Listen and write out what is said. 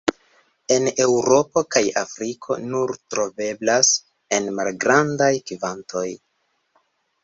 En Eŭropo kaj Afriko nur troveblas en malgrandaj kvantoj.